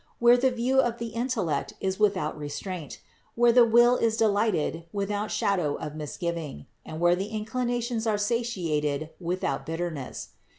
where the view of the intellect is without re straint, where the will is delighted without shadow of misgiving, and where the inclinations are satiated without bitterness.